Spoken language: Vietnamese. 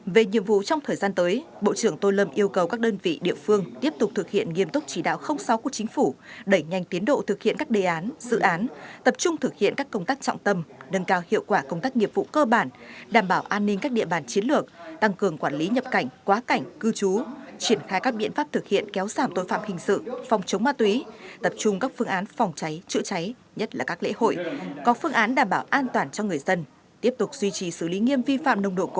về nhiệm vụ trong thời gian tới bộ trưởng tô lâm yêu cầu các đơn vị địa phương tiếp tục thực hiện nghiêm túc chỉ đạo sáu của chính phủ đẩy nhanh tiến độ thực hiện các đề án dự án tập trung thực hiện các công tác trọng tâm nâng cao hiệu quả công tác nghiệp vụ cơ bản đảm bảo an ninh các địa bàn chiến lược tăng cường quản lý nhập cảnh quá cảnh cư trú triển khai các biện pháp thực hiện kéo giảm tội phạm hình sự phòng chống ma túy tập trung các phương án phòng cháy chữa cháy nhất là các lễ hội có phương án đảm